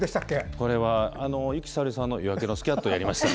これは由紀さおりさんの「夜明けのスキャット」をやりました。